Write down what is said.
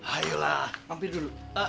ayo lah mampir dulu